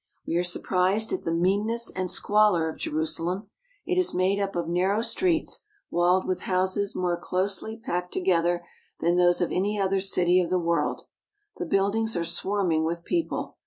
We are surprised at the meanness and squalor of Jerusa Jerusalem. lem. It is made up of narrow streets, walled with houses more closely packed together than those of any other city of the world. The buildings are swarming with people.